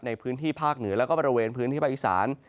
ในพื้นที่ภาคเหนือแล้วก็บริเวณพื้นที่ภาคอีสาน